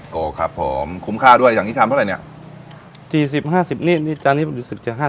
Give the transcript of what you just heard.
โกครับผมคุ้มค่าด้วยอย่างนี้ทำเท่าไหร่เนี่ยสี่สิบห้าสิบนี่นี่จานนี้มันรู้สึกจะ๕๐